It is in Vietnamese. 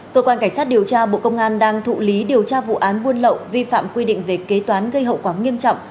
cơ quan cảnh sát điều tra bộ công an đang thụ lý điều tra vụ án buôn lậu vi phạm quy định về kế toán gây hậu quả nghiêm trọng